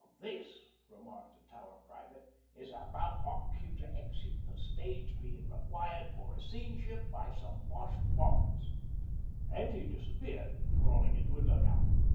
'An' this,' remarked a Tower private, 'is about our cue to exit, the stage bein' required for a scene shift by some Bosh bombs,' and he disappeared, crawling into a dug out.